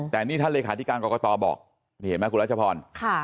แต่นี่ท่านเลขาธิการกรกตบอกเห็นไหมครับครับคุณรัชพร